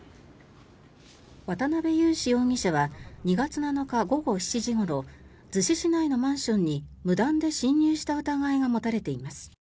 渡辺優史容疑者は２月７日午後７時ごろ逗子市内のマンションに無断で侵入した疑いが持たれています。